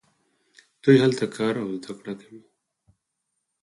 دوی هلته کار او زده کړه کوي.